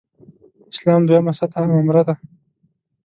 اسلام دویمه سطح عمره ده.